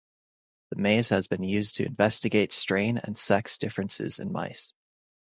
The maze has been used to investigate strain and sex differences in mice.